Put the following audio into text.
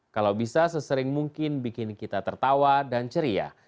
kalau bisa sesering mungkin bikin kita tertawa dan ceria